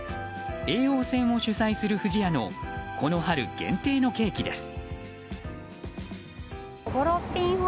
叡王戦を主宰する不二家のこの春限定のケーキです。